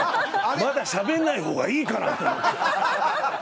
まだしゃべらない方がいいかなと思って。